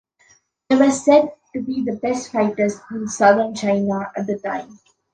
They were said to be the best fighters in southern China at the time.